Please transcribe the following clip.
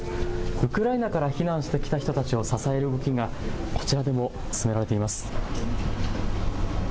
ウクライナから避難してきた人たちを支える動きが、こちらでも進められています。